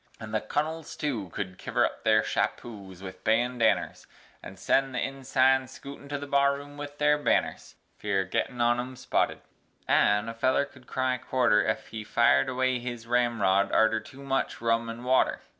An' th' Cunnles, tu, could kiver up their shappoes with bandanners, An' sen the insines skootin' to the barroom with their banners (Fear o' gittin' on 'em spotted), an' a feller could cry quarter, Ef he fired away his ramrod artur tu much rum an' water.